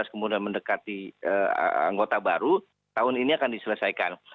kemudian mendekati anggota baru tahun ini akan diselesaikan